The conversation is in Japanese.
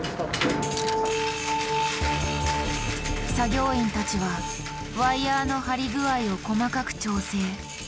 作業員たちはワイヤーの張り具合を細かく調整。